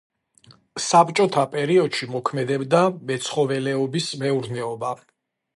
საბჭოთა პერიოდში მოქმედებდა მეცხოველეობის მეურნეობა.